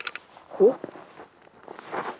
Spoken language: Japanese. おっ！